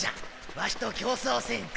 ワシと競走せんか？